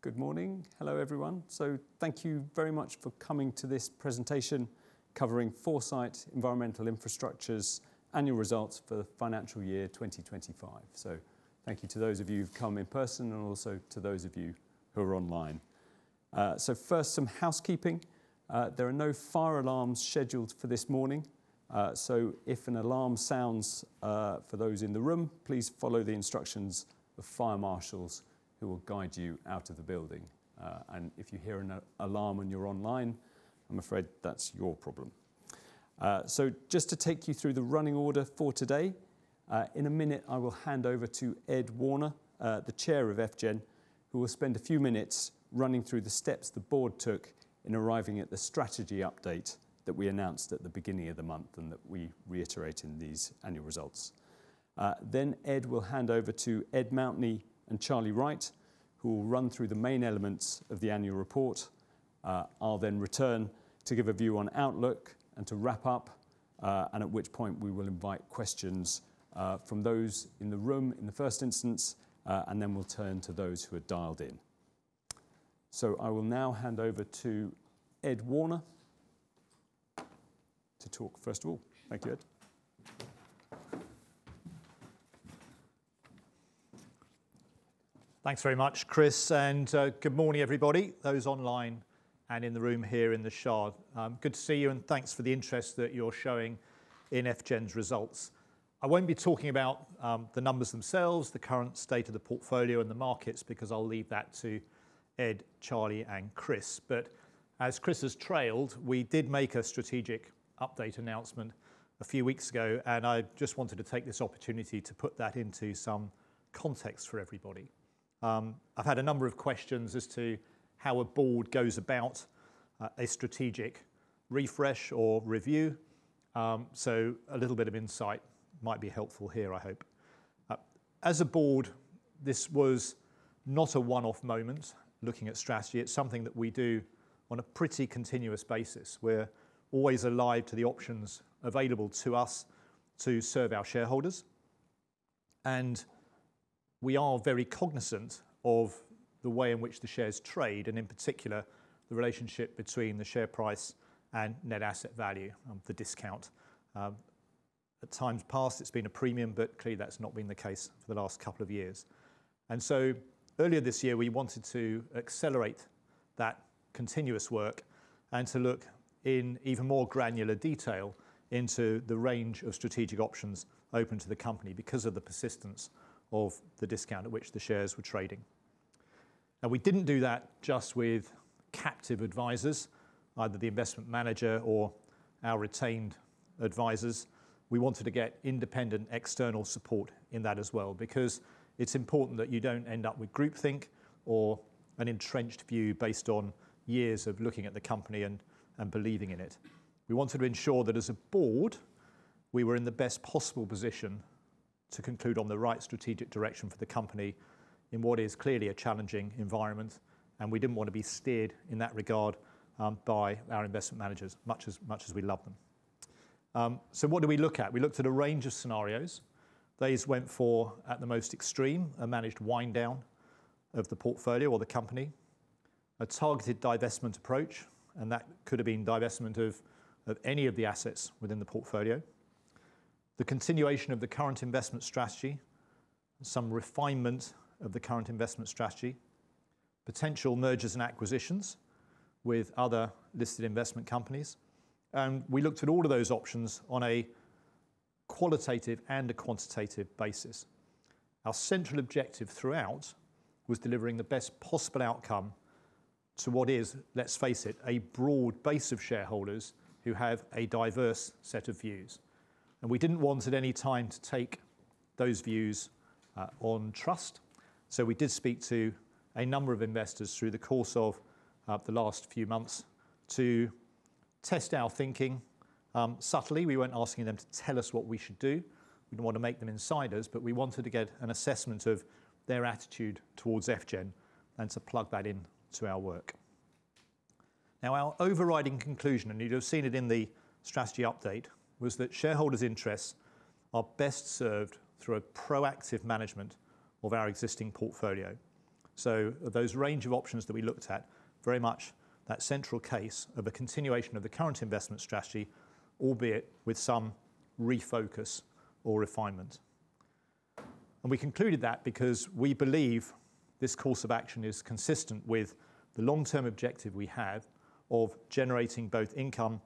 Good morning. Hello, everyone. Thank you very much for coming to this presentation covering Foresight Environmental Infrastructure's Annual Results for the Financial Year 2025. Thank you to those of you who've come in person, and also to those of you who are online. First, some housekeeping. There are no fire alarms scheduled for this morning, if an alarm sounds, for those in the room, please follow the instructions of fire marshals who will guide you out of the building. If you hear an alarm when you're online, I'm afraid that's your problem. Just to take you through the running order for today, in a minute, I will hand over to Ed Warner, the Chair of FGEN, who will spend a few minutes running through the steps the board took in arriving at the strategy update that we announced at the beginning of the month and that we reiterate in these annual results. Ed will hand over to Ed Mountney and Charlie Wright, who will run through the main elements of the annual report. I'll then return to give a view on outlook and to wrap up, and at which point we will invite questions from those in the room in the first instance, and then we'll turn to those who have dialed in. I will now hand over to Ed Warner to talk first of all. Thank you, Ed. Thanks very much, Chris. Good morning, everybody, those online and in the room here in The Shard. Good to see you. Thanks for the interest that you're showing in FGEN's results. I won't be talking about the numbers themselves, the current state of the portfolio and the markets, because I'll leave that to Ed, Charlie and Chris. As Chris has trailed, we did make a strategic update announcement a few weeks ago. I just wanted to take this opportunity to put that into some context for everybody. I've had a number of questions as to how a board goes about a strategic refresh or review. A little bit of insight might be helpful here, I hope. As a board, this was not a one-off moment looking at strategy. It's something that we do on a pretty continuous basis. We're always alive to the options available to us to serve our shareholders, and we are very cognizant of the way in which the shares trade and, in particular, the relationship between the share price and net asset value, the discount. At times past, it's been a premium, clearly that's not been the case for the last couple of years. Earlier this year, we wanted to accelerate that continuous work and to look in even more granular detail into the range of strategic options open to the company because of the persistence of the discount at which the shares were trading. Now, we didn't do that just with captive advisors, either the investment manager or our retained advisors. We wanted to get independent external support in that as well, because it's important that you don't end up with groupthink or an entrenched view based on years of looking at the company and believing in it. We wanted to ensure that, as a board, we were in the best possible position to conclude on the right strategic direction for the company in what is clearly a challenging environment, and we didn't want to be steered in that regard by our investment managers, much as, much as we love them. What did we look at? We looked at a range of scenarios. These went for, at the most extreme, a managed wind down of the portfolio or the company, a targeted divestment approach, and that could have been divestment of any of the assets within the portfolio. The continuation of the current investment strategy, some refinement of the current investment strategy, potential mergers and acquisitions with other listed investment companies. We looked at all of those options on a qualitative and a quantitative basis. Our central objective throughout was delivering the best possible outcome to what is, let's face it, a broad base of shareholders who have a diverse set of views. We didn't want at any time to take those views on trust, so we did speak to a number of investors through the course of the last few months to test our thinking subtly. We weren't asking them to tell us what we should do. We didn't want to make them insiders, but we wanted to get an assessment of their attitude towards FGEN and to plug that into our work. Our overriding conclusion, and you'd have seen it in the strategy update, was that shareholders' interests are best served through a proactive management of our existing portfolio. Of those range of options that we looked at, very much that central case of a continuation of the current investment strategy, albeit with some refocus or refinement. We concluded that because we believe this course of action is consistent with the long-term objective we have of generating both income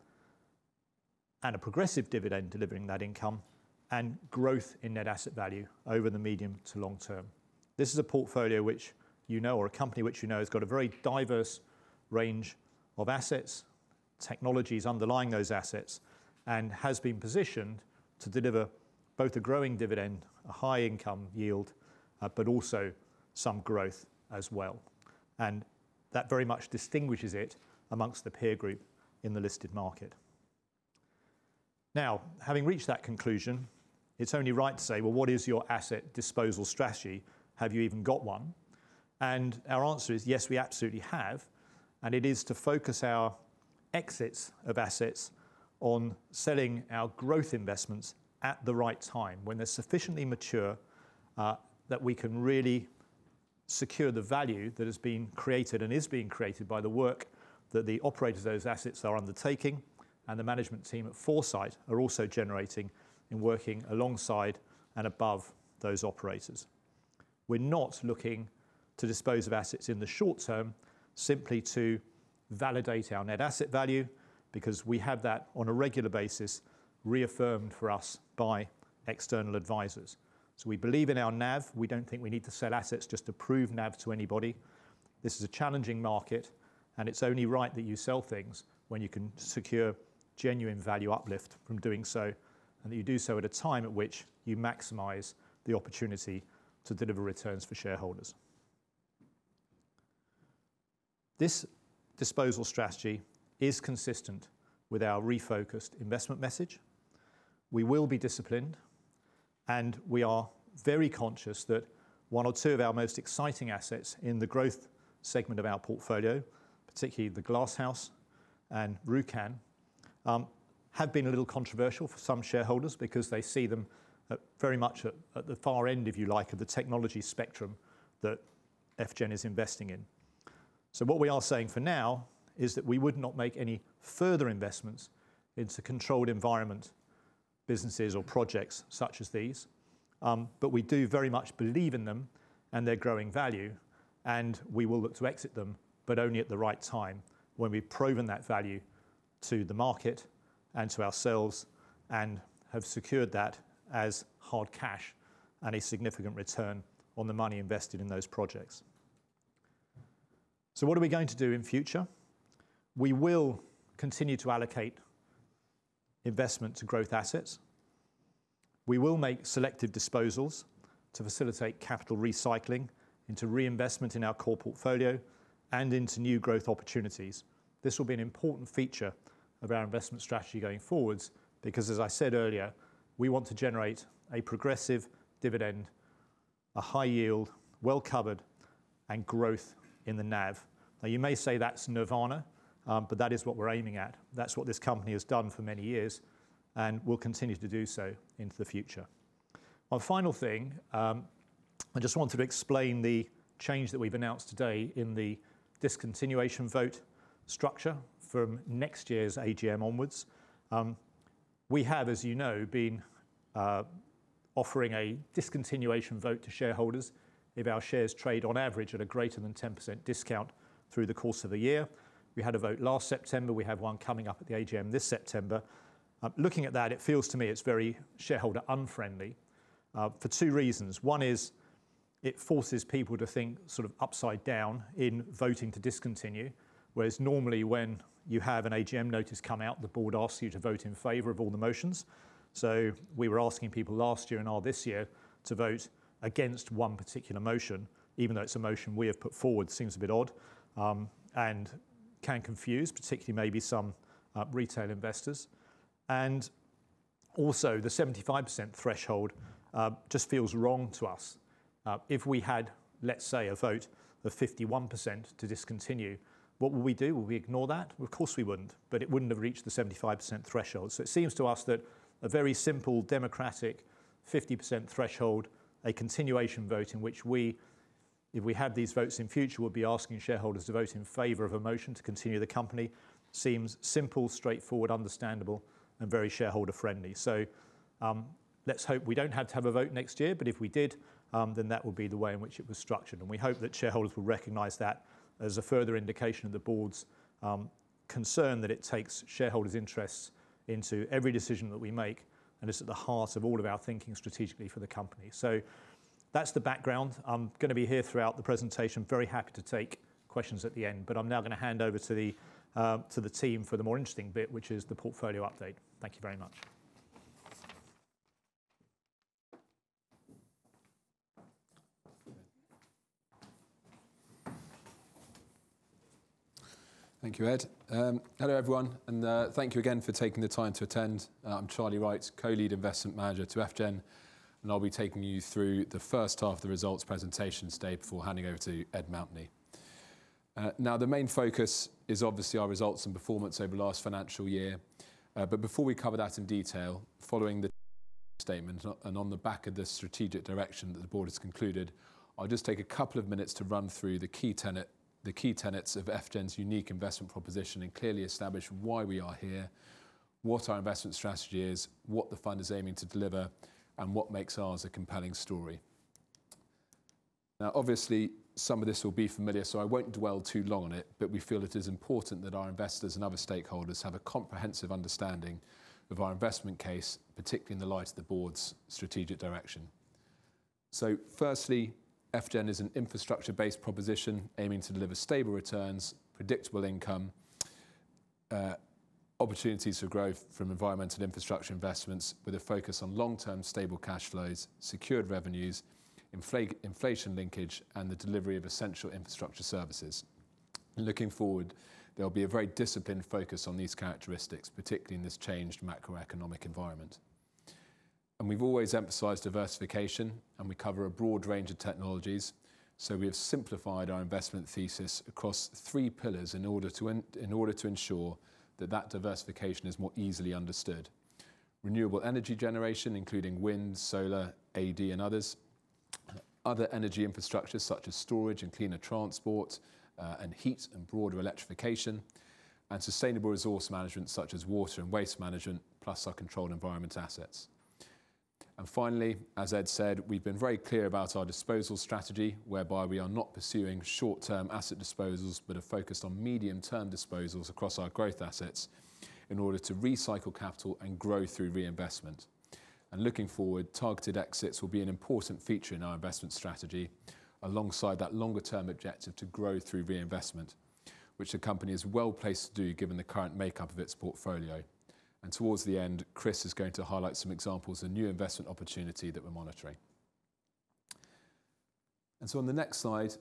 and a progressive dividend delivering that income and growth in net asset value over the medium to long term. This is a portfolio which you know, or a company which you know, has got a very diverse range of assets, technologies underlying those assets, and has been positioned to deliver both a growing dividend, a high income yield, but also some growth as well. That very much distinguishes it amongst the peer group in the listed market. Having reached that conclusion, it is only right to say, "Well, what is your asset disposal strategy? Have you even got one?" Our answer is yes, we absolutely have, and it is to focus our exits of assets on selling our growth investments at the right time when they are sufficiently mature that we can really secure the value that has been created and is being created by the work that the operators of those assets are undertaking, and the management team at Foresight are also generating in working alongside and above those operators. We are not looking to dispose of assets in the short term simply to validate our net asset value, because we have that on a regular basis reaffirmed for us by external advisors. We believe in our NAV. We don't think we need to sell assets just to prove NAV to anybody. This is a challenging market, it's only right that you sell things when you can secure genuine value uplift from doing so, and that you do so at a time at which you maximize the opportunity to deliver returns for shareholders. This disposal strategy is consistent with our refocused investment message. We will be disciplined, we are very conscious that one or two of our most exciting assets in the growth segment of our portfolio, particularly The Glasshouse and Rjukan, have been a little controversial for some shareholders because they see them at very much at the far end, if you like, of the technology spectrum that FGEN is investing in. What we are saying for now is that we would not make any further investments into controlled environment businesses or projects such as these, but we do very much believe in them and their growing value, and we will look to exit them, but only at the right time when we've proven that value to the market and to ourselves and have secured that as hard cash and a significant return on the money invested in those projects. What are we going to do in future? We will continue to allocate investment to growth assets. We will make selective disposals to facilitate capital recycling into reinvestment in our core portfolio and into new growth opportunities. This will be an important feature of our investment strategy going forward because, as I said earlier, we want to generate a progressive dividend, a high yield, well-covered, and growth in the NAV. Now, you may say that's nirvana, but that is what we're aiming at. That's what this company has done for many years and will continue to do so into the future. One final thing. I just wanted to explain the change that we've announced today in the discontinuation vote structure from next year's AGM onwards. We have, as you know, been offering a discontinuation vote to shareholders if our shares trade on average at a greater than 10% discount through the course of a year. We had a vote last September. We have one coming up at the AGM this September. Looking at that, it feels to me it's very shareholder-unfriendly for two reasons. One is it forces people to think sort of upside down in voting to discontinue, whereas normally, when you have an AGM notice come out, the board asks you to vote in favor of all the motions. We were asking people last year and all this year to vote against one particular motion, even though it's a motion we have put forward, seems a bit odd, and can confuse, particularly maybe some retail investors. The 75% threshold just feels wrong to us. If we had, let's say, a vote of 51% to discontinue, what would we do? Would we ignore that? Of course, we wouldn't, but it wouldn't have reached the 75% threshold. It seems to us that a very simple democratic 50% threshold, a continuation vote in which we, if we had these votes in future, would be asking shareholders to vote in favor of a motion to continue the company seems simple, straightforward, understandable, and very shareholder-friendly. Let's hope we don't have to have a vote next year, but if we did, that would be the way in which it was structured. We hope that shareholders will recognize that as a further indication of the board's concern that it takes shareholders' interests into every decision that we make and is at the heart of all of our thinking strategically for the company. That's the background. I'm gonna be here throughout the presentation. Very happy to take questions at the end, but I'm now gonna hand over to the team for the more interesting bit, which is the portfolio update. Thank you very much. Thank you, Ed. Hello, everyone, thank you again for taking the time to attend. I'm Charlie Wright, Co-Lead Investment Manager to FGEN. I'll be taking you through the first half of the results presentation today before handing over to Ed Mountney. Now, the main focus is obviously our results and performance over the last financial year. Before we cover that in detail, following the statement and on the back of the strategic direction that the board has concluded, I'll just take a couple of minutes to run through the key tenets of FGEN's unique investment proposition and clearly establish why we are here, what our investment strategy is, what the fund is aiming to deliver, and what makes ours a compelling story. Obviously, some of this will be familiar, so I won't dwell too long on it, but we feel it is important that our investors and other stakeholders have a comprehensive understanding of our investment case, particularly in the light of the board's strategic direction. Firstly, FGEN is an infrastructure-based proposition aiming to deliver stable returns, predictable income, opportunities for growth from environmental infrastructure investments with a focus on long-term stable cash flows, secured revenues, inflation linkage, and the delivery of essential infrastructure services. Looking forward, there'll be a very disciplined focus on these characteristics, particularly in this changed macroeconomic environment. We've always emphasized diversification, and we cover a broad range of technologies. We have simplified our investment thesis across three pillars in order to ensure that diversification is more easily understood. Renewable energy generation, including wind, solar, AD, and others. Other energy infrastructure such as storage and cleaner transport, and heat and broader electrification. Sustainable resource management such as water and waste management, plus our controlled environment assets. Finally, as Ed said, we've been very clear about our disposal strategy, whereby we are not pursuing short-term asset disposals but are focused on medium-term disposals across our growth assets in order to recycle capital and grow through reinvestment. Looking forward, targeted exits will be an important feature in our investment strategy alongside that longer-term objective to grow through reinvestment, which the company is well-placed to do given the current makeup of its portfolio. Towards the end, Chris is going to highlight some examples of new investment opportunities that we're monitoring. On the next slide,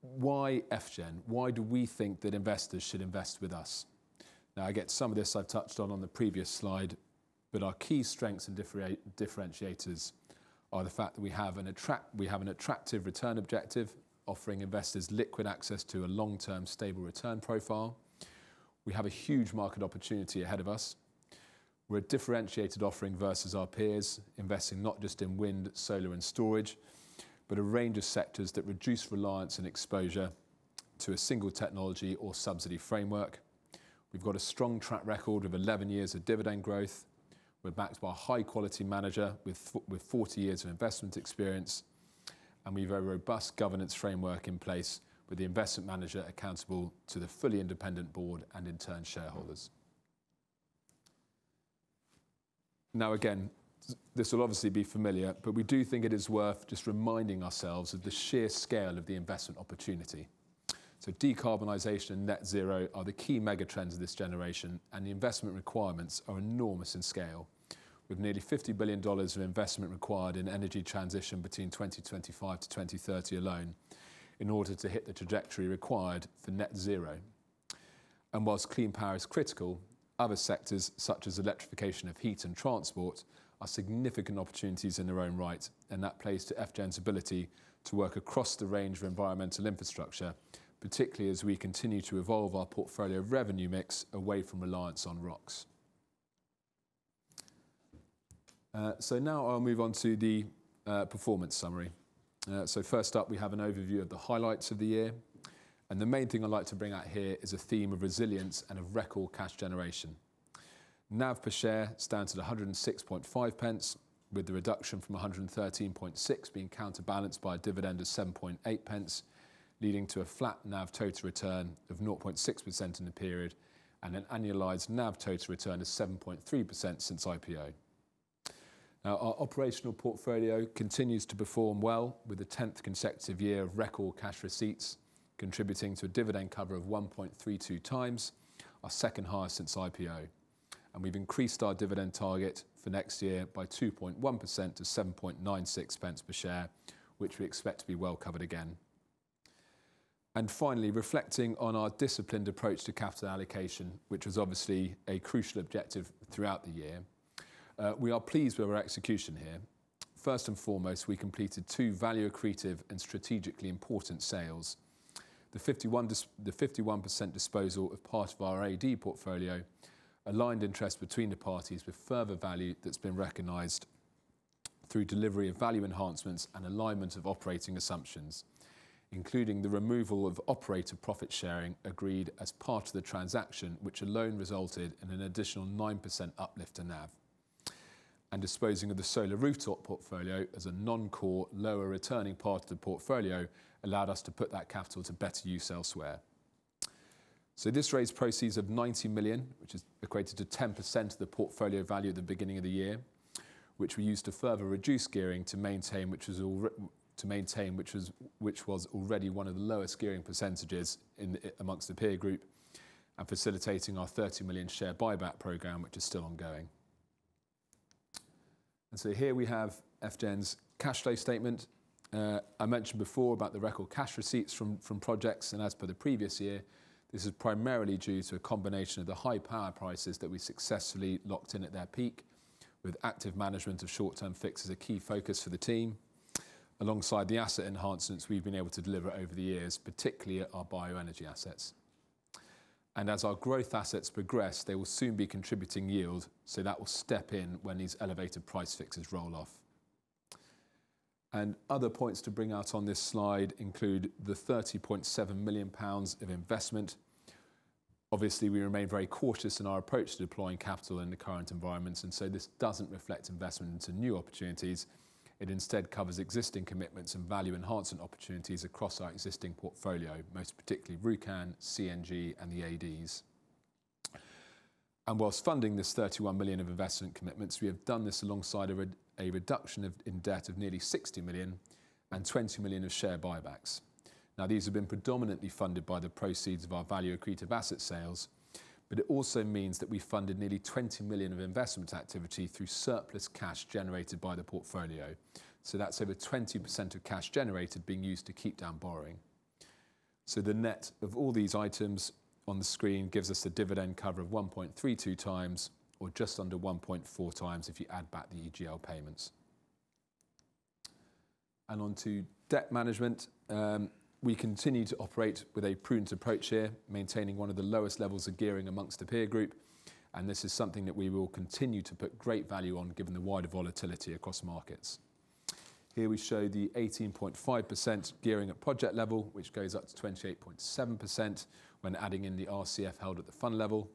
why FGEN? Why do we think that investors should invest with us? I get some of this I've touched on on the previous slide. Our key strengths and differentiators are the fact that we have an attractive return objective, offering investors liquid access to a long-term stable return profile. We have a huge market opportunity ahead of us. We're a differentiated offering versus our peers, investing not just in wind, solar, and storage, but a range of sectors that reduce reliance and exposure to a single technology or subsidy framework. We've got a strong track record of 11 years of dividend growth. We're backed by a high-quality manager with 40 years of investment experience, and we have a robust governance framework in place with the investment manager accountable to the fully independent board and in turn, shareholders. Again, this will obviously be familiar, but we do think it is worth just reminding ourselves of the sheer scale of the investment opportunity. Decarbonization and net zero are the key mega trends of this generation, and the investment requirements are enormous in scale, with nearly $50 billion of investment required in energy transition between 2025-2030 alone in order to hit the trajectory required for net zero. Whilst clean power is critical, other sectors such as electrification of heat and transport are significant opportunities in their own right, and that plays to FGEN's ability to work across the range of environmental infrastructure, particularly as we continue to evolve our portfolio revenue mix away from reliance on ROCs. Now I'll move on to the performance summary. First up, we have an overview of the highlights of the year. The main thing I'd like to bring out here is a theme of resilience and of record cash generation. NAV per share stands at 1.065 pence, with the reduction from 1.136 pence being counterbalanced by a dividend of 0.078 pence, leading to a flat NAV total return of 0.6% in the period and an annualized NAV total return of 7.3% since IPO. Our operational portfolio continues to perform well with the 10th consecutive year of record cash receipts contributing to a dividend cover of 1.32x, our second highest since IPO. We've increased our dividend target for next year by 2.1% to 0.0796 pence per share, which we expect to be well covered again. Finally, reflecting on our disciplined approach to capital allocation, which was obviously a crucial objective throughout the year, we are pleased with our execution here. First and foremost, we completed two value accretive and strategically important sales. The 51% disposal of part of our AD portfolio aligned interest between the parties with further value that's been recognized through delivery of value enhancements and alignment of operating assumptions, including the removal of operator profit sharing agreed as part of the transaction, which alone resulted in an additional 9% uplift to NAV. Disposing of the solar rooftop portfolio as a non-core, lower-returning part of the portfolio allowed us to put that capital to better use elsewhere. This raised proceeds of 90 million, which is equated to 10% of the portfolio value at the beginning of the year, which we used to further reduce gearing to maintain, which was already one of the lowest gearing percentages in, amongst the peer group, and facilitating our 30 million share buyback program, which is still ongoing. Here we have FGEN's cash flow statement. I mentioned before about the record cash receipts from projects, and as per the previous year, this is primarily due to a combination of the high power prices that we successfully locked in at their peak with active management of short-term fixes, a key focus for the team, alongside the asset enhancements we've been able to deliver over the years, particularly at our bioenergy assets. As our growth assets progress, they will soon be contributing yield, so that will step in when these elevated price fixes roll off. Other points to bring out on this slide include the 30.7 million pounds of investment. Obviously, we remain very cautious in our approach to deploying capital in the current environment, so this doesn't reflect investment into new opportunities. It instead covers existing commitments and value enhancement opportunities across our existing portfolio, most particularly Rjukan, CNG, and the ADs. Whilst funding this 31 million of investment commitments, we have done this alongside a reduction of debt of nearly 60 million and 20 million of share buybacks. These have been predominantly funded by the proceeds of our value accretive asset sales. It also means that we funded nearly 20 million of investment activity through surplus cash generated by the portfolio. That's over 20% of cash generated being used to keep down borrowing. The net of all these items on the screen gives us a dividend cover of 1.32x or just under 1.4x if you add back the EGL payments. On to debt management. We continue to operate with a prudent approach here, maintaining one of the lowest levels of gearing amongst the peer group. This is something that we will continue to put great value on given the wider volatility across markets. Here we show the 18.5% gearing at project level, which goes up to 28.7% when adding in the RCF held at the fund level.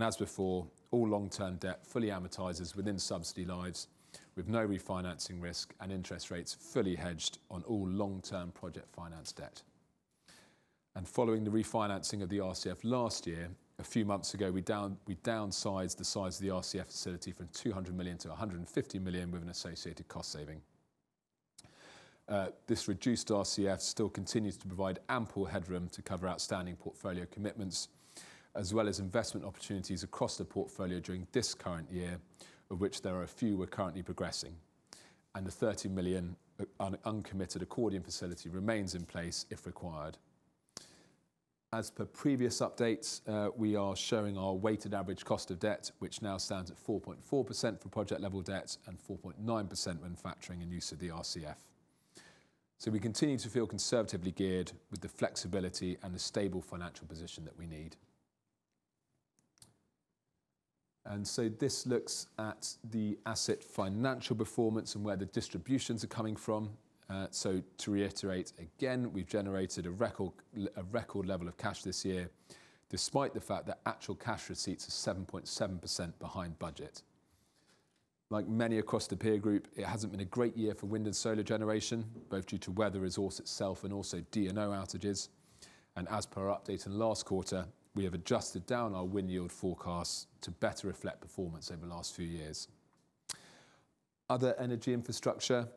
As before, all long-term debt fully amortizes within subsidy lives, with no refinancing risk and interest rates fully hedged on all long-term project finance debt. Following the refinancing of the RCF last year, a few months ago we downsized the size of the RCF facility from 200 million-150 million with an associated cost saving. This reduced RCF still continues to provide ample headroom to cover outstanding portfolio commitments as well as investment opportunities across the portfolio during this current year, of which there are a few we're currently progressing. The 30 million uncommitted accordion facility remains in place if required. As per previous updates, we are showing our weighted average cost of debt, which now stands at 4.4% for project level debt and 4.9% when factoring in use of the RCF. We continue to feel conservatively geared with the flexibility and the stable financial position that we need. This looks at the asset financial performance and where the distributions are coming from. To reiterate again, we’ve generated a record level of cash this year, despite the fact that actual cash receipts are 7.7% behind budget. Like many across the peer group, it hasn’t been a great year for wind and solar generation, both due to weather resource itself and also DNO outages. As per our update in last quarter, we have adjusted down our wind yield forecast to better reflect performance over the last few years. Other energy infrastructure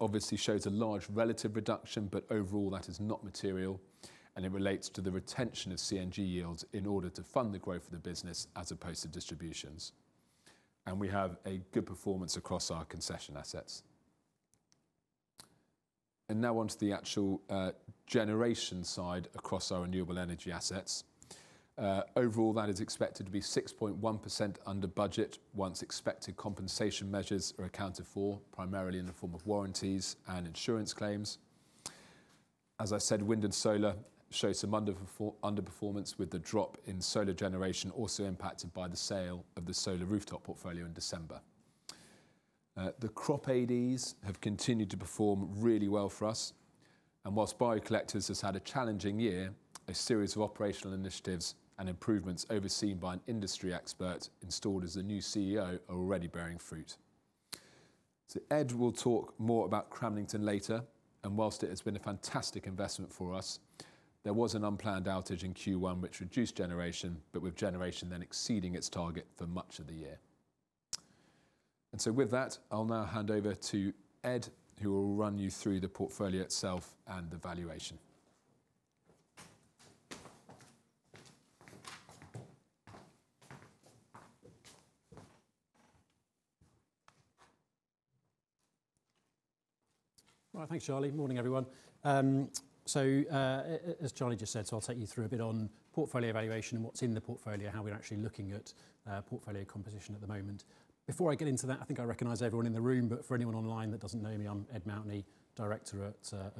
obviously shows a large relative reduction, but overall that is not material, and it relates to the retention of CNG yields in order to fund the growth of the business as opposed to distributions. We have a good performance across our concession assets. Now onto the actual generation side across our renewable energy assets. Overall, that is expected to be 6.1% under budget once expected compensation measures are accounted for, primarily in the form of warranties and insurance claims. As I said, wind and solar show some underperformance with the drop in solar generation also impacted by the sale of the solar rooftop portfolio in December. The crop ADs have continued to perform really well for us, and whilst Bio Collectors has had a challenging year, a series of operational initiatives and improvements overseen by an industry expert installed as the new CEO are already bearing fruit. Ed will talk more about Cramlington later, and whilst it has been a fantastic investment for us, there was an unplanned outage in Q1 which reduced generation, but with generation then exceeding its target for much of the year. With that, I'll now hand over to Ed, who will run you through the portfolio itself and the valuation. Right. Thanks, Charlie. Morning, everyone. As Charlie just said, I'll take you through a bit on portfolio evaluation and what's in the portfolio, how we're actually looking at portfolio composition at the moment. Before I get into that, I think I recognize everyone in the room, but for anyone online that doesn't know me, I'm Ed Mountney, Director at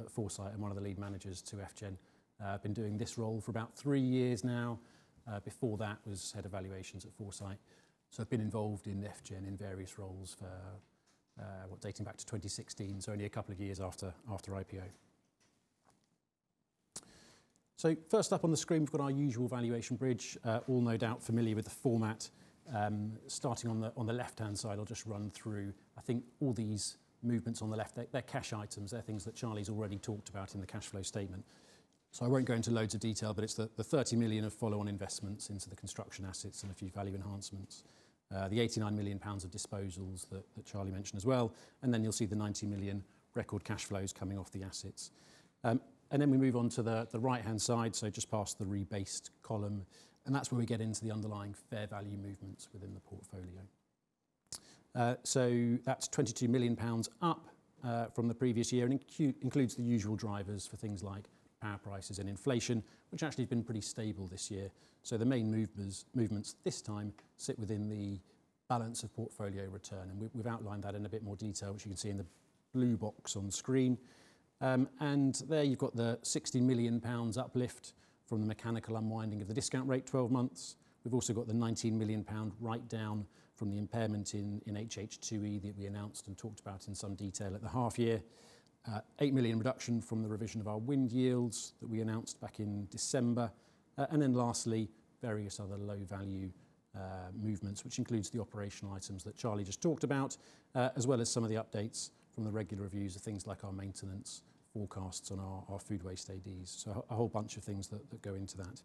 Foresight and one of the Lead Managers to FGEN. I've been doing this role for about three years now. Before that was Head of Valuations at Foresight. I've been involved in FGEN in various roles for, well dating back to 2016, only two years after IPO. First up on the screen, we've got our usual valuation bridge. All no doubt familiar with the format. Starting on the left-hand side, I'll just run through, I think all these movements on the left. They're cash items. They're things that Charlie's already talked about in the cash flow statement. I won't go into loads of detail, but it's the 30 million of follow-on investments into the construction assets and a few value enhancements. The 89 million pounds of disposals that Charlie mentioned as well. You'll see the 90 million record cash flows coming off the assets. We move on to the right-hand side, so just past the rebased column, that's where we get into the underlying fair value movements within the portfolio. That's 22 million pounds up from the previous year and includes the usual drivers for things like power prices and inflation, which actually have been pretty stable this year. The main movements this time sit within the balance of portfolio return, and we've outlined that in a bit more detail, which you can see in the blue box on screen. There you've got the 60 million pounds uplift from the mechanical unwinding of the discount rate 12 months. We've also got the 19 million pound write down from the impairment in HH2E that we announced and talked about in some detail at the half year. 8 million reductions from the revision of our wind yields that we announced back in December. Lastly, various other low value movements, which includes the operational items that Charlie just talked about, as well as some of the updates from the regular reviews of things like our maintenance forecasts and our food waste ADs. A whole bunch of things that go into that.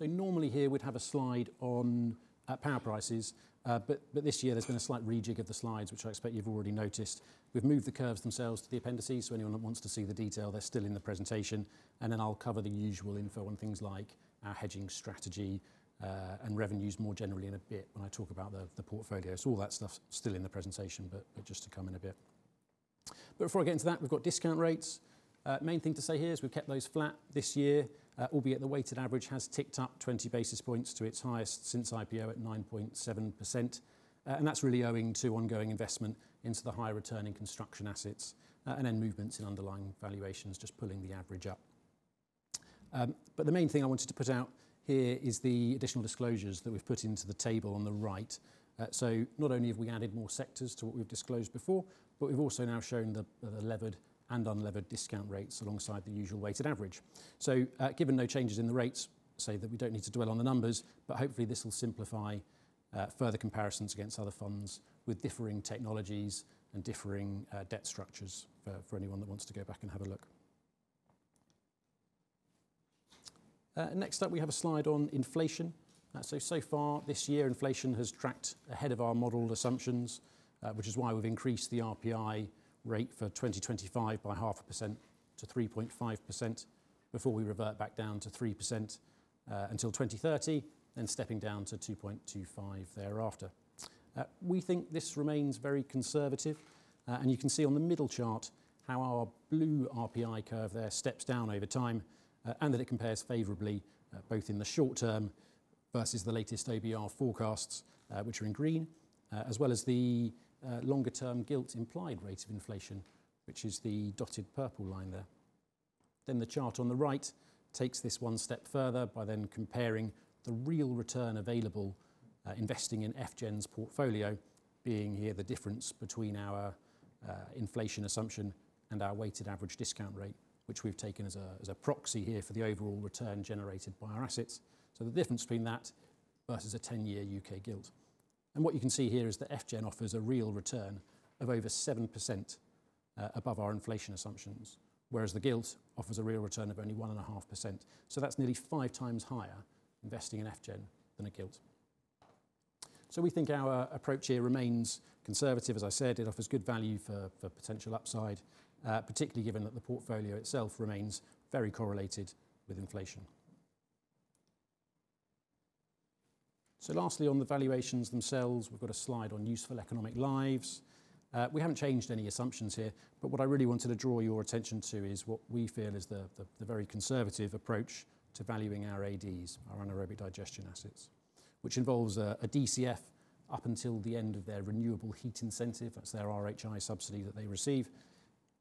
Normally here we'd have a slide on power prices. This year there's been a slight rejig of the slides, which I expect you've already noticed. We've moved the curves themselves to the appendices, so anyone that wants to see the detail, they're still in the presentation. I'll cover the usual info on things like our hedging strategy and revenues more generally in a bit when I talk about the portfolio. All that stuff's still in the presentation, just to come in a bit. Before I get into that, we've got discount rates. Main thing to say here is we've kept those flat this year, albeit the weighted average has ticked up 20 basis points to its highest since IPO at 9.7%. And that's really owing to ongoing investment into the high returning construction assets, and then movements in underlying valuations just pulling the average up. The main thing I wanted to put out here is the additional disclosures that we've put into the table on the right. Not only have we added more sectors to what we've disclosed before, we've also now shown the levered and unlevered discount rates alongside the usual weighted average. Given no changes in the rates, so that we don't need to dwell on the numbers, but hopefully this will simplify further comparisons against other funds with differing technologies and differing debt structures for anyone that wants to go back and have a look. Next up, we have a slide on inflation. So far this year, inflation has tracked ahead of our model assumptions, which is why we've increased the RPI rate for 2025 by 0.5%-3.5% before we revert back down to 3% until 2030, then stepping down to 2.25% thereafter. We think this remains very conservative, and you can see on the middle chart how our blue RPI curve there steps down over time, and that it compares favorably, both in the short term versus the latest OBR forecasts, which are in green, as well as the longer term gilt implied rates of inflation, which is the dotted purple line there. The chart on the right takes this one step further by then comparing the real return available, investing in FGEN's portfolio, being here the difference between our inflation assumption and our weighted average discount rate, which we've taken as a, as a proxy here for the overall return generated by our assets. The difference between that versus a 10-year U.K. gilt. What you can see here is that FGEN offers a real return of over 7% above our inflation assumptions, whereas the gilt offers a real return of only 1.5%. That's nearly 5x higher investing in FGEN than a gilt. We think our approach here remains conservative. As I said, it offers good value for potential upside, particularly given that the portfolio itself remains very correlated with inflation. Lastly, on the valuations themselves, we've got a slide on useful economic lives. We haven't changed any assumptions here, but what I really wanted to draw your attention to is what we feel is the very conservative approach to valuing our ADs, our anaerobic digestion assets, which involves a DCF up until the end of their Renewable Heat Incentive. That's their RHI subsidy that they receive.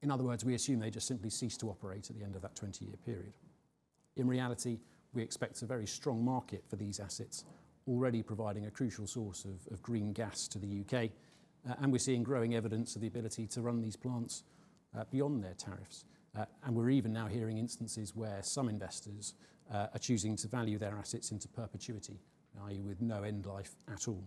In other words, we assume they just simply cease to operate at the end of that 20-year period. In reality, we expect a very strong market for these assets, already providing a crucial source of green gas to the U.K., and we're seeing growing evidence of the ability to run these plants beyond their tariffs. And we're even now hearing instances where some investors are choosing to value their assets into perpetuity, i.e., with no end life at all.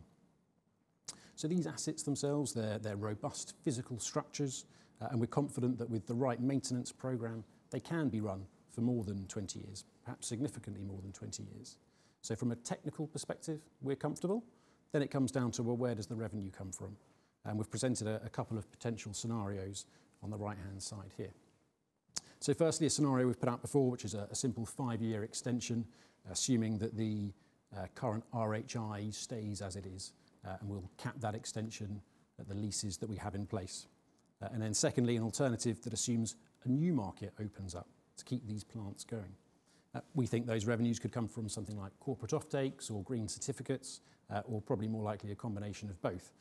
These assets themselves, they're robust physical structures, and we're confident that with the right maintenance program, they can be run for more than 20 years, perhaps significantly more than 20 years. From a technical perspective, we're comfortable. It comes down to, well, where does the revenue come from? We've presented two potential scenarios on the right-hand side here. Firstly, a scenario we've put out before, which is a simple five-year extension, assuming that the current RHI stays as it is, and we'll cap that extension at the leases that we have in place. Secondly, an alternative that assumes a new market opens up to keep these plants going. We think those revenues could come from something like corporate offtakes or green certificates, or probably more likely a combination of both.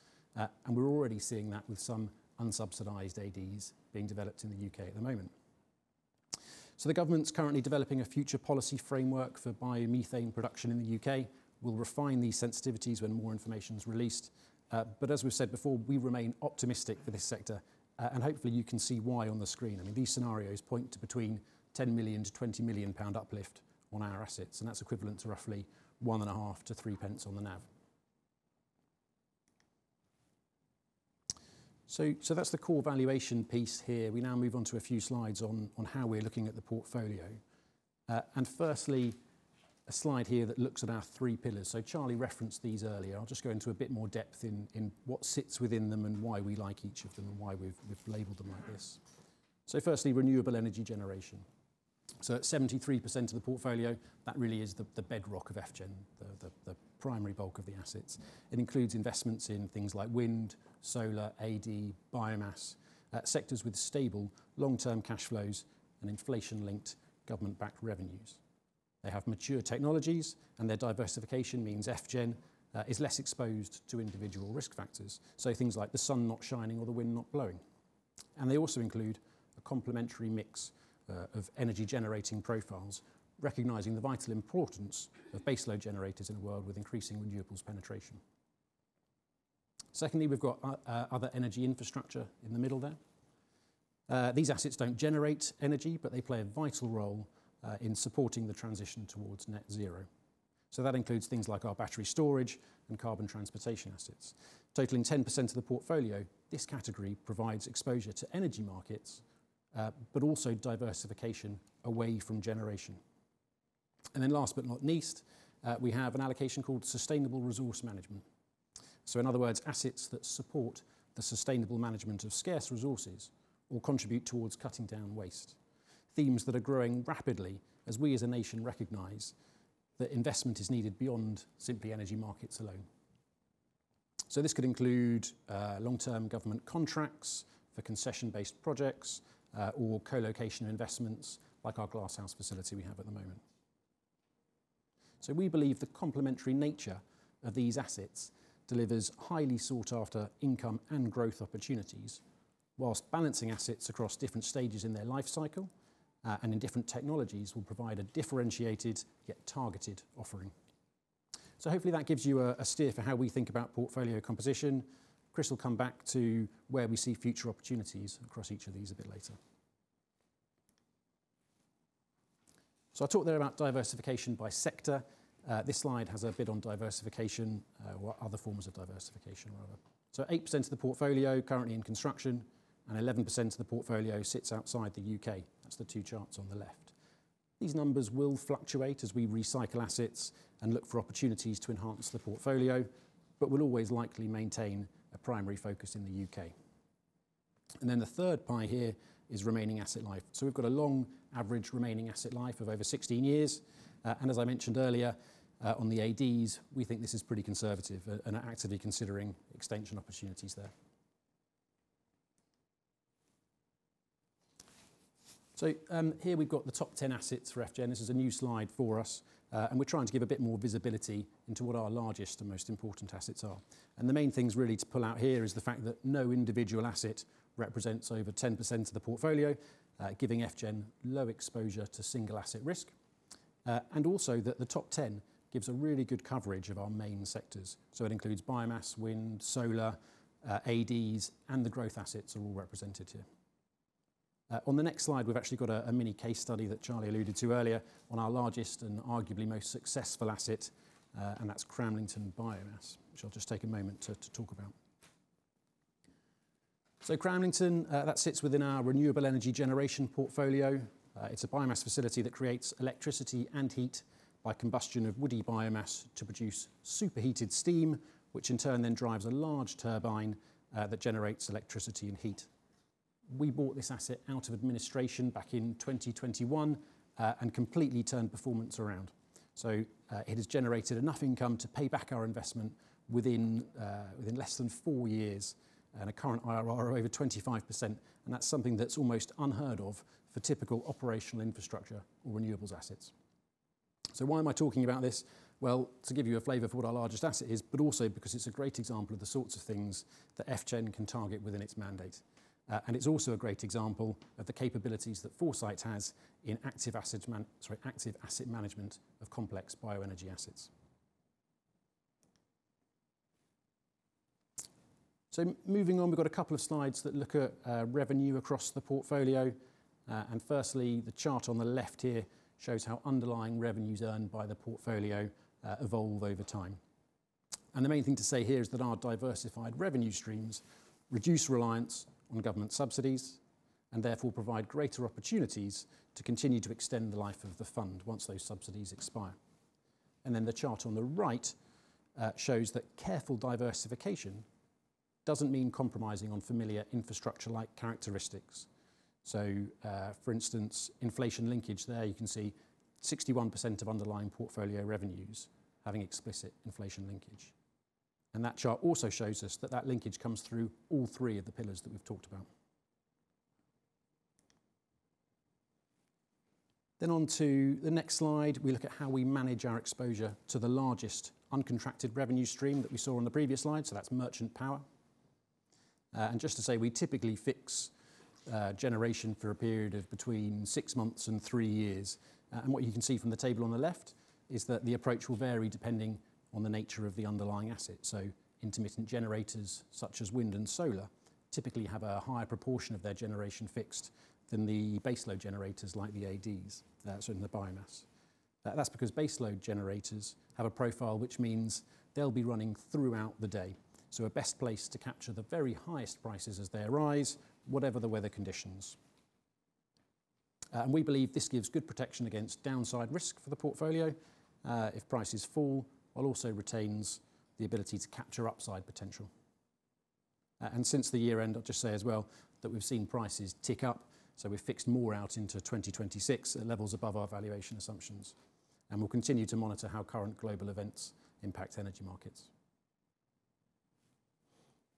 We're already seeing that with some unsubsidized ADs being developed in the U.K. at the moment. The government's currently developing a future policy framework for biomethane production in the U.K. We'll refine these sensitivities when more information is released. As we've said before, we remain optimistic for this sector, and hopefully you can see why on the screen. I mean, these scenarios point to between 10 million-20 million pound uplift on our assets, and that's equivalent to roughly 0.015-0.03 on the NAV. That's the core valuation piece here. We now move on to a few slides on how we're looking at the portfolio. Firstly, a slide here that looks at our three pillars. Charlie referenced these earlier. I'll just go into a bit more depth in what sits within them and why we like each of them and why we've labeled them like this. Firstly, renewable energy generation. At 73% of the portfolio, that really is the bedrock of FGEN, the primary bulk of the assets. It includes investments in things like wind, solar, AD, biomass, sectors with stable long-term cash flows and inflation-linked government-backed revenues. They have mature technologies, their diversification means FGEN is less exposed to individual risk factors, so things like the sun not shining or the wind not blowing. They also include a complementary mix of energy generating profiles, recognizing the vital importance of baseload generators in a world with increasing renewables penetration. Secondly, we've got other energy infrastructure in the middle there. These assets don't generate energy, they play a vital role in supporting the transition towards net zero. That includes things like our battery storage and carbon transportation assets. Totaling 10% of the portfolio, this category provides exposure to energy markets, but also diversification away from generation. Last but not least, we have an allocation called sustainable resource management. In other words, assets that support the sustainable management of scarce resources or contribute towards cutting down waste, themes that are growing rapidly as we as a nation recognize that investment is needed beyond simply energy markets alone. This could include long-term government contracts for concession-based projects, or co-location investments like our Glasshouse facility we have at the moment. We believe the complementary nature of these assets delivers highly sought-after income and growth opportunities, while balancing assets across different stages in their lifecycle, and in different technologies will provide a differentiated yet targeted offering. Hopefully that gives you a steer for how we think about portfolio composition. Chris will come back to where we see future opportunities across each of these a bit later. I talked there about diversification by sector. This slide has a bit on diversification, or other forms of diversification rather. 8% of the portfolio currently in construction and 11% of the portfolio sits outside the U.K. That's the two charts on the left. These numbers will fluctuate as we recycle assets and look for opportunities to enhance the portfolio, but we'll always likely maintain a primary focus in the U.K. The third pie here is remaining asset life. We've got a long average remaining asset life of over 16 years. As I mentioned earlier, on the ADs, we think this is pretty conservative and are actively considering extension opportunities there. Here we've got the top 10 assets for FGen. This is a new slide for us. We're trying to give a bit more visibility into what our largest and most important assets are. The main things really to pull out here is the fact that no individual asset represents over 10% of the portfolio, giving FGEN low exposure to single asset risk. Also that the top 10 gives a really good coverage of our main sectors. It includes biomass, wind, solar, ADs, and the growth assets are all represented here. On the next slide, we've actually got a mini case study that Charlie alluded to earlier on our largest and arguably most successful asset, and that's Cramlington Biomass, which I'll just take a moment to talk about. Cramlington, that sits within our renewable energy generation portfolio. It's a biomass facility that creates electricity and heat by combustion of woody biomass to produce superheated steam, which in turn then drives a large turbine that generates electricity and heat. We bought this asset out of administration back in 2021 and completely turned performance around. It has generated enough income to pay back our investment within less than four years at a current IRR of over 25%, and that's something that's almost unheard of for typical operational infrastructure or renewables assets. Why am I talking about this? To give you a flavor of what our largest asset is, but also because it's a great example of the sorts of things that FGEN can target within its mandate. It's also a great example of the capabilities that Foresight has in active asset management of complex bioenergy assets. Moving on, we've got a couple of slides that look at revenue across the portfolio. Firstly, the chart on the left here shows how underlying revenues earned by the portfolio evolve over time. The main thing to say here is that our diversified revenue streams reduce reliance on government subsidies and therefore provide greater opportunities to continue to extend the life of the fund once those subsidies expire. The chart on the right shows that careful diversification doesn't mean compromising on familiar infrastructure-like characteristics. For instance, inflation linkage there, you can see 61% of underlying portfolio revenues having explicit inflation linkage. That chart also shows us that the linkage comes through all three of the pillars that we've talked about. On to the next slide, we look at how we manage our exposure to the largest uncontracted revenue stream that we saw on the previous slide. That's merchant power. Just to say, we typically fix generation for a period of between six months and three years. What you can see from the table on the left is that the approach will vary depending on the nature of the underlying asset. Intermittent generators, such as wind and solar, typically have a higher proportion of their generation fixed than the baseload generators like the ADs that are in the biomass. That's because baseload generators have a profile, which means they'll be running throughout the day, so are best placed to capture the very highest prices as they arise, whatever the weather conditions. We believe this gives good protection against downside risk for the portfolio if prices fall, while also retains the ability to capture upside potential. Since the year-end, I'll just say as well that we've seen prices tick up, so we've fixed more out into 2026 at levels above our valuation assumptions, and we'll continue to monitor how current global events impact energy markets.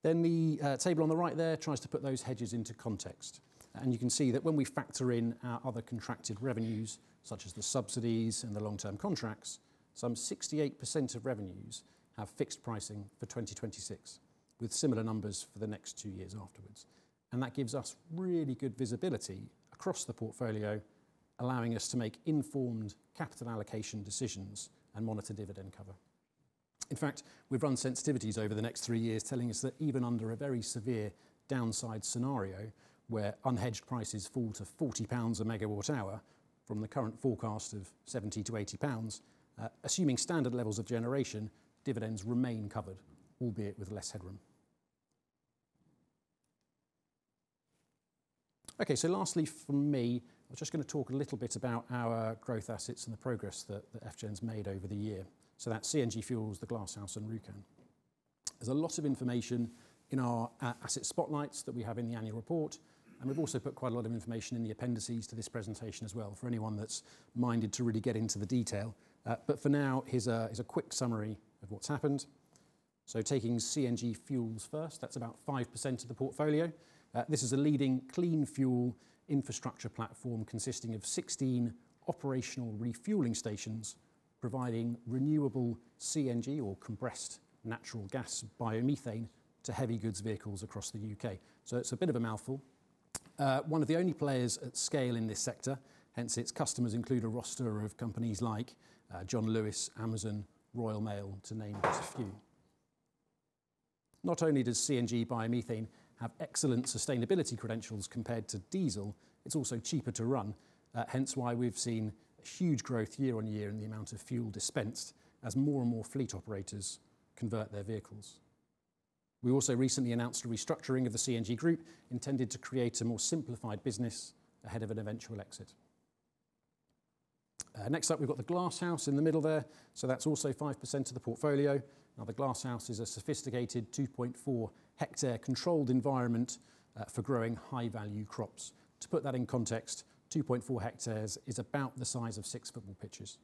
The table on the right there tries to put those hedges into context. You can see that when we factor in our other contracted revenues, such as the subsidies and the long-term contracts, some 68% of revenues have fixed pricing for 2026, with similar numbers for the next two years afterwards. That gives us really good visibility across the portfolio, allowing us to make informed capital allocation decisions and monitor dividend cover. In fact, we've run sensitivities over the next three years telling us that even under a very severe downside scenario where unhedged prices fall to 40 pounds a megawatt hour from the current forecast of 70-80 pounds, assuming standard levels of generation, dividends remain covered, albeit with less headroom. Lastly from me, I'm just going to talk a little bit about our growth assets and the progress that FGEN's made over the year. That's CNG Fuels, The Glasshouse and Rjukan. There's a lot of information in our asset spotlights that we have in the annual report, and we've also put quite a lot of information in the appendices to this presentation as well for anyone that's minded to really get into the detail. For now, here's a quick summary of what's happened. Taking CNG Fuels first, that's about 5% of the portfolio. This is a leading clean fuel infrastructure platform consisting of 16 operational refueling stations providing renewable CNG or compressed natural gas biomethane to heavy goods vehicles across the U.K. It's a bit of a mouthful. One of the only players at scale in this sector, hence its customers include a roster of companies like John Lewis, Amazon, Royal Mail, to name just a few. Not only does CNG biomethane have excellent sustainability credentials compared to diesel, it's also cheaper to run, hence why we've seen huge growth year on year in the amount of fuel dispensed as more and more fleet operators convert their vehicles. We also recently announced a restructuring of the CNG group intended to create a more simplified business ahead of an eventual exit. Next up, we've got The Glasshouse in the middle there, so that's also 5% of the portfolio. Now, The Glasshouse is a sophisticated 2.4-hectare controlled environment for growing high-value crops. To put that in context, 2.4 hectares is about the size of six football pitches.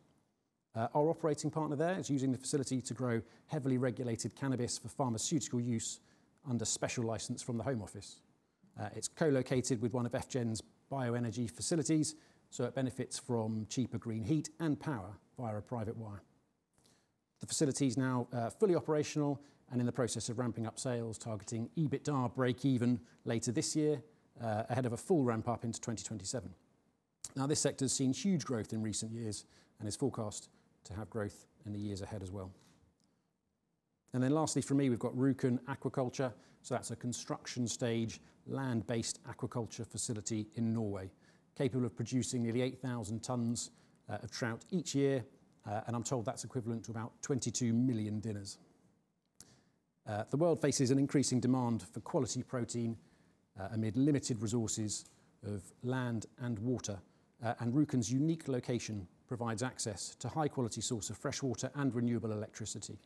Our operating partner there is using the facility to grow heavily regulated cannabis for pharmaceutical use under special license from the home office. It's co-located with one of FGEN's bioenergy facilities, so it benefits from cheaper green heat and power via a private wire. The facility's now fully operational and in the process of ramping up sales targeting EBITDA break-even later this year, ahead of a full ramp-up into 2027. This sector's seen huge growth in recent years and is forecast to have growth in the years ahead as well. Lastly for me, we've got Rjukan Aquaculture. That's a construction stage land-based aquaculture facility in Norway, capable of producing nearly 8,000 tons of trout each year, and I'm told that's equivalent to about 22 million dinners. The world faces an increasing demand for quality protein amid limited resources of land and water. Rjukan's unique location provides access to high-quality source of freshwater and renewable electricity,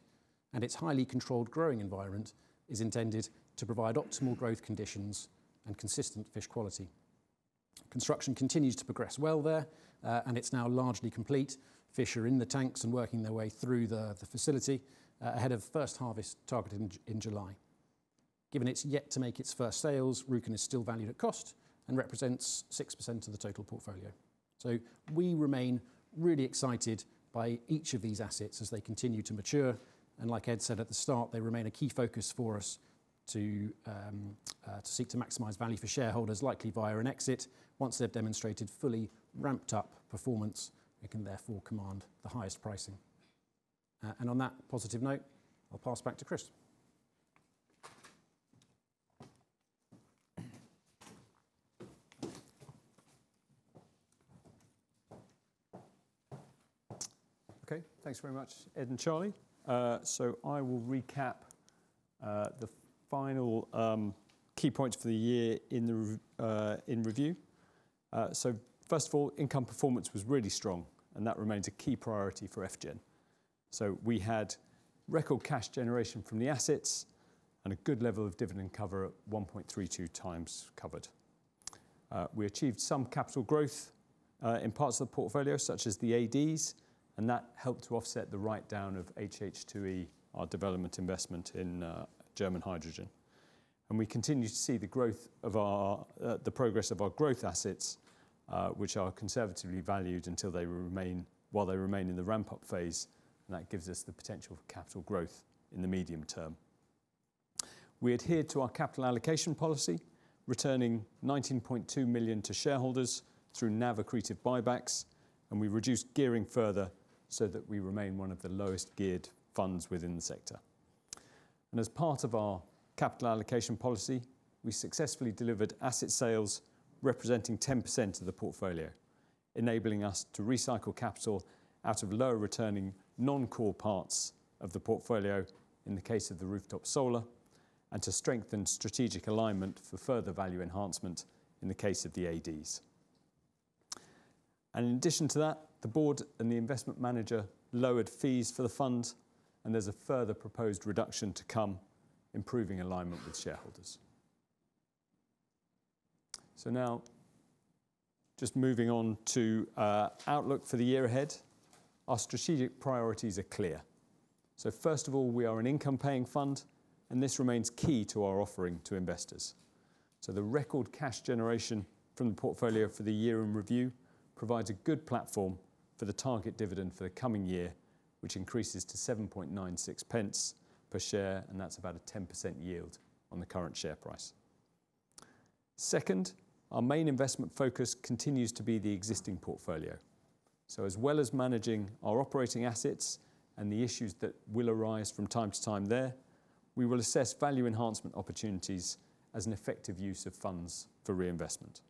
and its highly controlled growing environment is intended to provide optimal growth conditions and consistent fish quality. Construction continues to progress well there, and it's now largely complete. Fish are in the tanks and working their way through the facility ahead of first harvest targeted in July. Given it's yet to make its first sales, Rjukan is still valued at cost and represents 6% of the total portfolio. We remain really excited by each of these assets as they continue to mature, and like Ed said at the start, they remain a key focus for us to seek to maximize value for shareholders, likely via an exit. Once they've demonstrated fully ramped up performance, it can therefore command the highest pricing. On that positive note, I'll pass back to Chris. Thanks very much, Ed and Charlie. I will recap the final key points for the year in review. First of all, income performance was really strong, and that remains a key priority for FGEN. We had record cash generation from the assets and a good level of dividend cover at 1.32x covered. We achieved some capital growth in parts of the portfolio, such as the ADs, and that helped to offset the write-down of HH2E, our development investment in German hydrogen. We continue to see the progress of our growth assets, which are conservatively valued while they remain in the ramp-up phase, and that gives us the potential for capital growth in the medium term. We adhered to our capital allocation policy, returning 19.2 million to shareholders through NAV accretive buybacks. We reduced gearing further so that we remain one of the lowest geared funds within the sector. As part of our capital allocation policy, we successfully delivered asset sales representing 10% of the portfolio, enabling us to recycle capital out of lower-returning non-core parts of the portfolio in the case of the rooftop solar and to strengthen strategic alignment for further value enhancement in the case of the ADs. In addition to that, the board and the investment manager lowered fees for the fund, and there's a further proposed reduction to come, improving alignment with shareholders. Now, just moving on to outlook for the year ahead. Our strategic priorities are clear. First of all, we are an income-paying fund, and this remains key to our offering to investors. The record cash generation from the portfolio for the year in review provides a good platform for the target dividend for the coming year, which increases to 0.0796 per share, and that's about a 10% yield on the current share price. Second, our main investment focus continues to be the existing portfolio. As well as managing our operating assets and the issues that will arise from time to time there, we will assess value enhancement opportunities as an effective use of funds for reinvestment.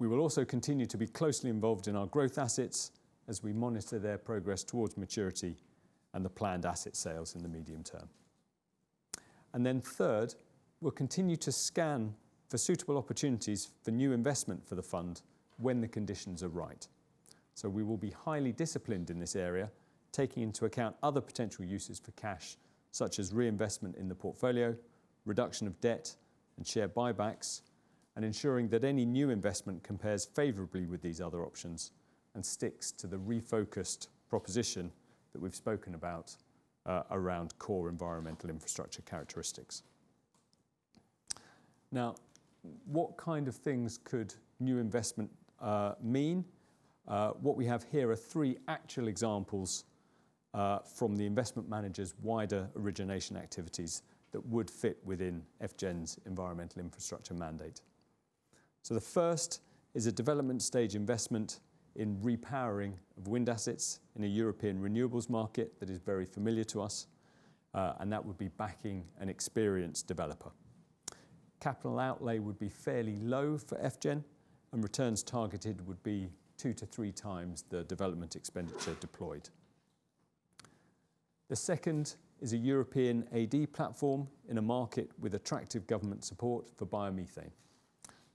We will also continue to be closely involved in our growth assets as we monitor their progress towards maturity and the planned asset sales in the medium term. Third, we'll continue to scan for suitable opportunities for new investment for the fund when the conditions are right. We will be highly disciplined in this area, taking into account other potential uses for cash, such as reinvestment in the portfolio, reduction of debt, and share buybacks. Ensuring that any new investment compares favorably with these other options and sticks to the refocused proposition that we've spoken about, around core environmental infrastructure characteristics. What kind of things could new investment mean? What we have here are three actual examples from the Investment Manager's wider origination activities that would fit within FGEN's environmental infrastructure mandate. The first is a development stage investment in repowering of wind assets in a European renewables market that is very familiar to us, and that would be backing an experienced developer. Capital outlay would be fairly low for FGEN, and returns targeted would be 2-3x the development expenditure deployed. The second is a European AD platform in a market with attractive government support for biomethane.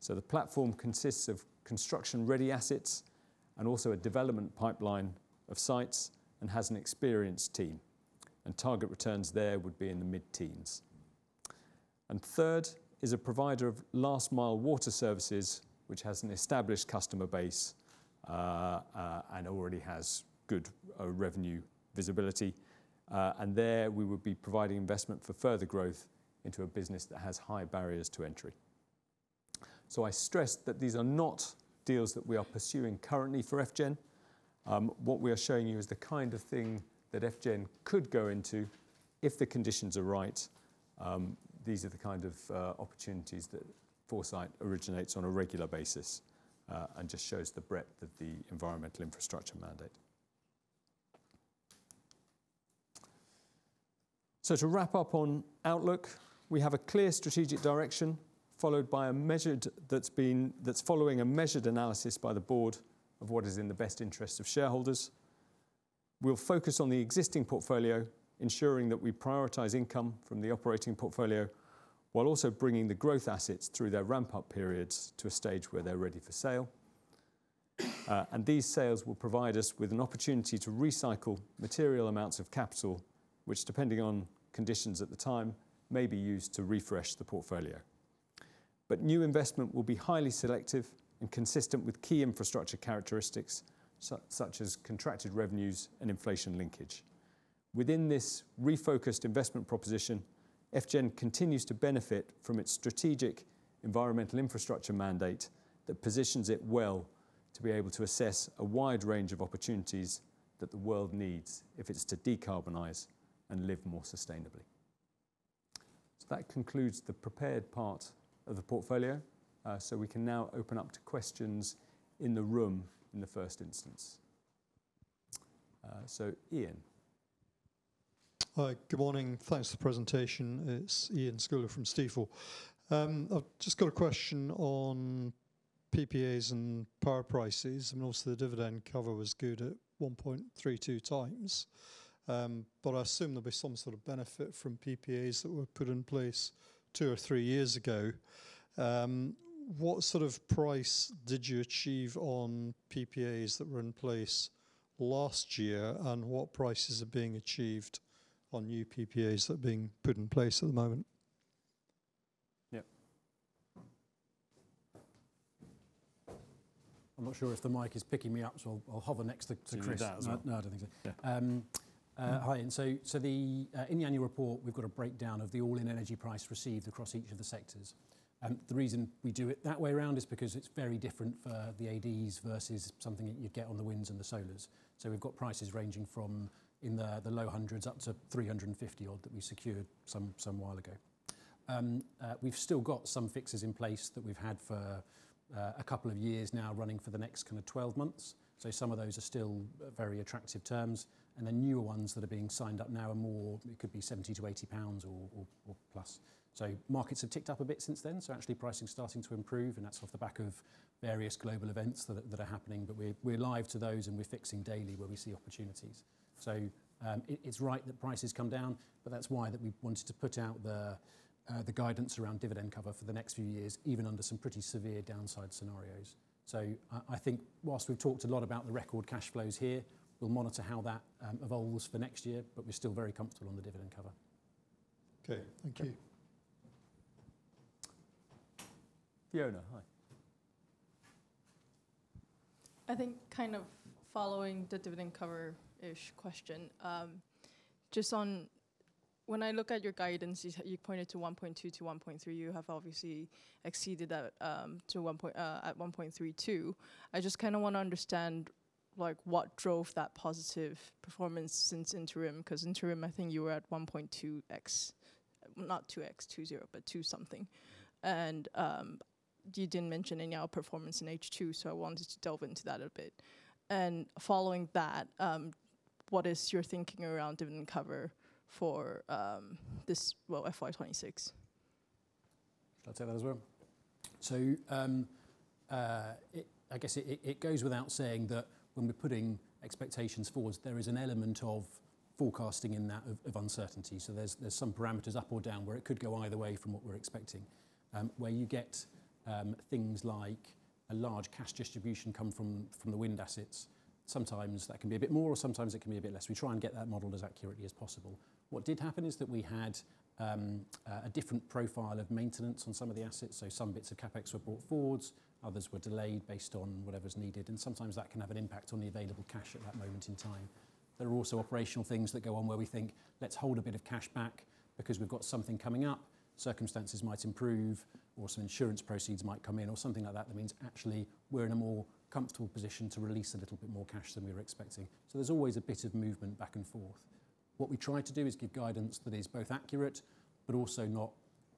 The platform consists of construction-ready assets and also a development pipeline of sites, and has an experienced team, and target returns there would be in the mid-teens. Third is a provider of last-mile water services, which has an established customer base and already has good revenue visibility. There we would be providing investment for further growth into a business that has high barriers to entry. I stress that these are not deals that we are pursuing currently for FGEN. What we are showing you is the kind of thing that FGEN could go into if the conditions are right. These are the kind of opportunities that Foresight originates on a regular basis, and just shows the breadth of the environmental infrastructure mandate. To wrap up on outlook, we have a clear strategic direction, followed by a measured analysis by the board of what is in the best interest of shareholders. We'll focus on the existing portfolio, ensuring that we prioritize income from the operating portfolio, while also bringing the growth assets through their ramp-up periods to a stage where they're ready for sale. These sales will provide us with an opportunity to recycle material amounts of capital, which, depending on conditions at the time, may be used to refresh the portfolio. New investment will be highly selective and consistent with key infrastructure characteristics such as contracted revenues and inflation linkage. Within this refocused investment proposition, FGEN continues to benefit from its strategic environmental infrastructure mandate that positions it well to be able to assess a wide range of opportunities that the world needs if it's to decarbonize and live more sustainably. That concludes the prepared part of the portfolio. We can now open up to questions in the room in the first instance. Iain. Hi. Good morning. Thanks for the presentation. It's Iain Scouller from Stifel. I've just got a question on PPAs and power prices, and also the dividend cover was good at 1.32x. I assume there'll be some sort of benefit from PPAs that were put in place two or three years ago. What sort of price did you achieve on PPAs that were in place last year? What prices are being achieved on new PPAs that are being put in place at the moment? Yeah. I'm not sure if the mic is picking me up, so I'll hover next to Chris. Can you do that as well? No, I don't think so. Yeah. Hi. In the annual report, we've got a breakdown of the all-in energy price received across each of the sectors. The reason we do it that way around is because it's very different for the ADs versus something that you'd get on the wind and the solar. We've got prices ranging from in the low hundreds up to 350 that we secured some while ago. We've still got some fixes in place that we've had for two years now running for the next 12 months. Some of those are still very attractive terms, and the newer ones that are being signed up now are more, it could be 70-80 pounds or plus. Markets have ticked up a bit since then, actually pricing's starting to improve, and that's off the back of various global events that are happening. We're live to those, and we're fixing daily where we see opportunities. It's right that price has come down, but that's why we wanted to put out the guidance around dividend cover for the next few years, even under some pretty severe downside scenarios. I think whilst we've talked a lot about the record cash flows here, we'll monitor how that evolves for next year, but we're still very comfortable on the dividend cover. Okay. Thank you. Fiona, hi. I think kind of following the dividend cover-ish question, just on when I look at your guidance, you pointed to 1.2-1.3x. You have obviously exceeded that, at 1.32x. I just kinda wanna understand, like, what drove that positive performance since interim 'cause interim, I think you were at 1.2x, not 2x, 1.20, but 1.2 something. You didn't mention any outperformance in H2, so I wanted to delve into that a bit. Following that, what is your thinking around dividend cover for this, well, FY 2026? Ed take as well. I guess it goes without saying that when we're putting expectations forward, there is an element of forecasting in that of uncertainty. There are some parameters up or down where it could go either way from what we're expecting. Where you get things like a large cash distribution come from the wind assets. Sometimes that can be a bit more or sometimes it can be a bit less. We try and get that modeled as accurately as possible. What did happen is that we had a different profile of maintenance on some of the assets, so some bits of CapEx were brought forwards, others were delayed based on whatever's needed, and sometimes that can have an impact on the available cash at that moment in time. There are also operational things that go on where we think, "Let's hold a bit of cash back because we've got something coming up." Circumstances might improve, or some insurance proceeds might come in, or something like that means actually we're in a more comfortable position to release a little bit more cash than we were expecting. There's always a bit of movement back and forth. What we try to do is give guidance that is both accurate but also not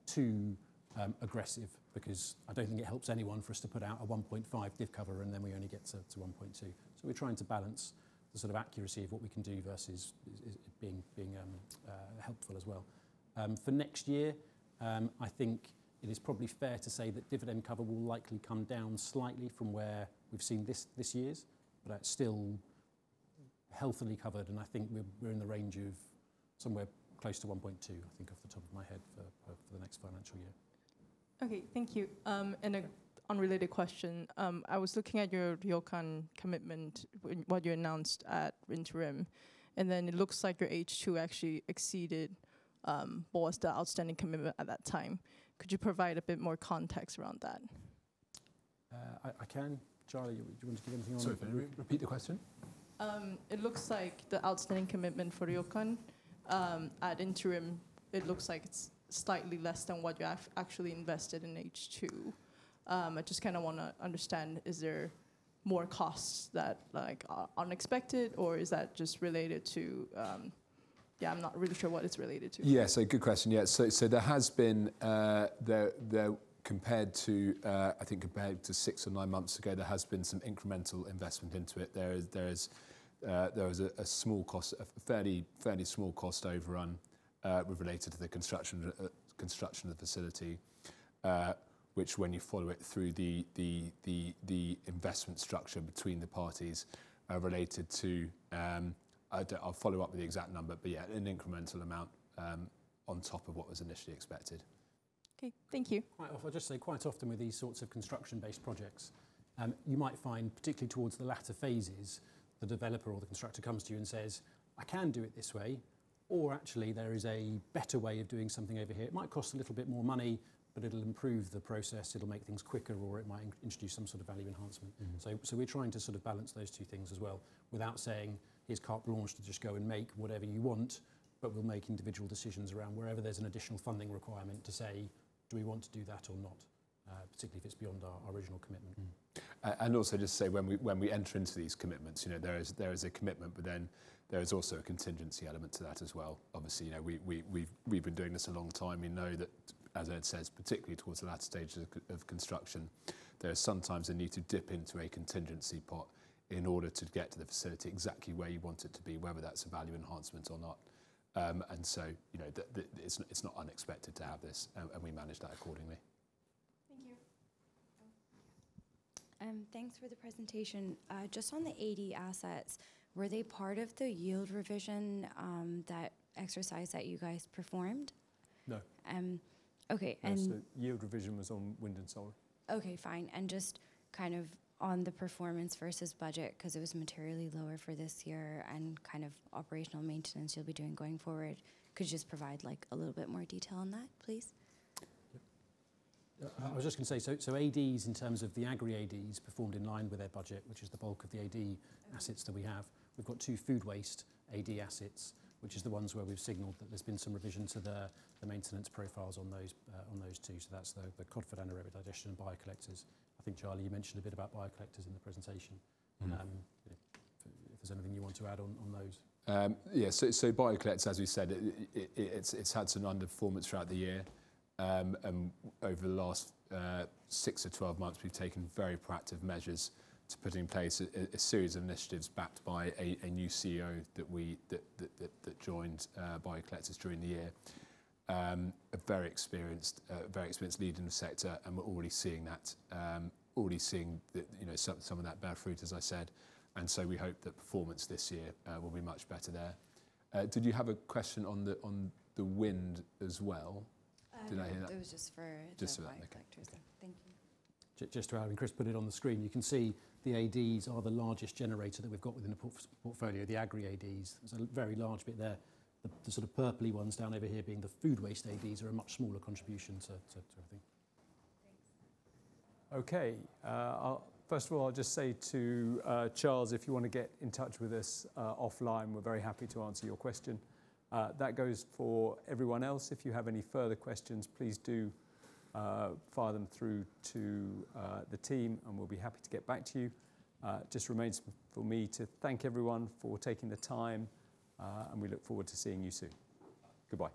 too aggressive because I don't think it helps anyone for us to put out a 1.5 div cover and then we only get to 1.2 div cover. We're trying to balance the sort of accuracy of what we can do versus it being helpful as well. For next year, it is probably fair to say that dividend cover will likely come down slightly from where we've seen this year's, but still healthily covered, and we're in the range of somewhere close to 1.2 dividend cover off the top of my head for the next financial year. Okay. Thank you. A unrelated question. I was looking at your Rjukan commitment what you announced at interim, and then it looks like your H2 actually exceeded, or was the outstanding commitment at that time. Could you provide a bit more context around that? I can. Charlie, do you want to give anything on that? Sorry, repeat the question? It looks like the outstanding commitment for Rjukan at interim, it looks like it's slightly less than what you have actually invested in H2. I just kinda wanna understand, is there more costs that, like, are unexpected or is that just related to? Yeah, I'm not really sure what it's related to. Good question. Compared to, I think compared to six or nine months ago, there has been some incremental investment into it. There was a small cost, a fairly small cost overrun, related to the construction of the facility, which when you follow it through the investment structure between the parties, related to, I'll follow up with the exact number, but an incremental amount on top of what was initially expected. Okay. Thank you. If I just say quite often with these sorts of construction-based projects, you might find, particularly towards the latter phases, the developer or the constructor comes to you and says, "I can do it this way," or, "Actually, there is a better way of doing something over here. It might cost a little bit more money, but it'll improve the process. It'll make things quicker," or, "It might introduce some sort of value enhancement. Mm-hmm. We're trying to sort of balance those two things as well without saying, "Here's carte blanche to just go and make whatever you want," but we'll make individual decisions around wherever there's an additional funding requirement to say, "Do we want to do that or not?" Particularly if it's beyond our original commitment. Mm-hmm. Also just to say when we, when we enter into these commitments, you know, there is, there is a commitment, but then there is also a contingency element to that as well. Obviously, you know, we've been doing this a long time. We know that, as Ed says, particularly towards the latter stages of construction, there is sometimes a need to dip into a contingency pot in order to get to the facility exactly where you want it to be, whether that's a value enhancement or not. You know, it's not unexpected to have this, and we manage that accordingly. Thank you. Thanks for the presentation. Just on the AD assets, were they part of the yield revision, that exercise that you guys performed? No. Okay. No. Yield revision was on wind and solar. Okay, fine. Just kind of on the performance versus budget because it was materially lower for this year and kind of operational maintenance, you'll be doing going forward, could you just provide, like, a little bit more detail on that, please? I was just gonna say, ADs in terms of the agri ADs performed in line with their budget, which is the bulk of the AD assets that we have. We've got two food waste AD assets, which is the ones where we've signaled that there's been some revision to the maintenance profiles on those two. That's the Codford Anaerobic Digestion and Bio Collectors. I think, Charlie, you mentioned a bit about Bio Collectors in the presentation. Mm-hmm. If there's anything you want to add on those? Bio Collectors, as we said, it's had some underperformance throughout the year. Over the last six-twelve months, we've taken very proactive measures to put in place a series of initiatives backed by a new CEO that joined Bio Collectors during the year. A very experienced, very experienced lead in the sector, and we're already seeing that, already seeing the, you know, some of that bear fruit, as I said. We hope that performance this year will be much better there. Did you have a question on the, on the wind as well? Did I hear that? No. It was just for- Just for- the Bio Collectors. Yeah. Okay. Thank you. Just to add, when Chris put it on the screen, you can see the ADs are the largest generator that we've got within the portfolio, the agri ADs. There's a very large bit there. The sort of purply ones down over here being the food waste ADs are a much smaller contribution to everything. Thanks. Okay. First of all, I'll just say to Charlie, if you wanna get in touch with us offline, we're very happy to answer your question. That goes for everyone else. If you have any further questions, please do fire them through to the team, and we'll be happy to get back to you. Just remains for me to thank everyone for taking the time, and we look forward to seeing you soon. Goodbye.